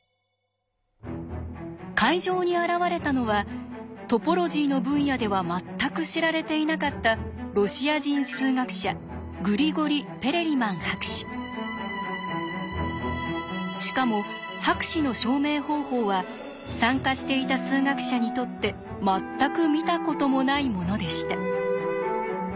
会場に現れたのはトポロジーの分野では全く知られていなかったロシア人数学者しかも博士の証明方法は参加していた数学者にとって全く見たこともないものでした。